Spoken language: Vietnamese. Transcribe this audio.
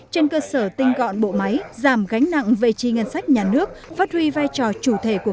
trên cơ sở tinh gọn bộ máy giảm gánh nặng về chi ngân sách nhà nước phát huy vai trò chủ thể của